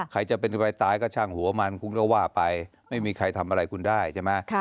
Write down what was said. ใครจะเป็นวัยตายก็ช่างหัวมันคุณก็ว่าไปไม่มีใครทำอะไรคุณได้ใช่ไหม